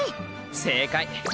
正解！